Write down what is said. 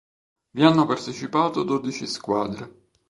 Vi hanno partecipato dodici squadre.